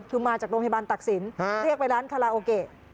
คือมาจากโรงพยาบาลตักศิลปเรียกไปร้านคาราโอเกะ